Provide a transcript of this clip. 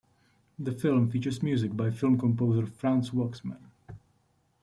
The film features music by film composer Franz Waxman.